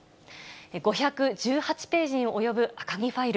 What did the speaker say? ５１８ページに及ぶ赤木ファイル。